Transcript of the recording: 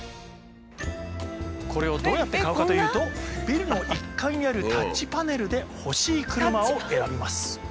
これをどうやって買うかというとビルの１階にあるタッチパネルで欲しい車を選びます。